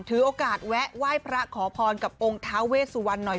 ถือโอกาสแวะไหว้พระขอพรกับองค์ท้าเวสุวรรณหน่อย